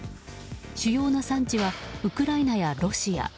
主要な産地はウクライナやロシア。